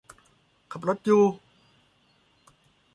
ขับรถอยู่